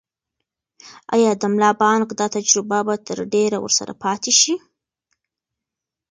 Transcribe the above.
آیا د ملا بانګ دا تجربه به تر ډېره ورسره پاتې شي؟